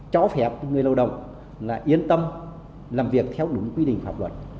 cho phép người lao động yên tâm làm việc theo đúng quy định pháp luật